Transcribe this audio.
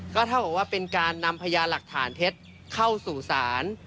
ก็เท่ากับว่าเป็นการนำพยานหลักฐานเท็จเข้าสู่ศาล